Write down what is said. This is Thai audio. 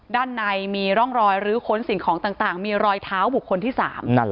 ด้านในมีร่องรอยลื้อค้นสิ่งของต่างมีรอยเท้าบุคคลที่๓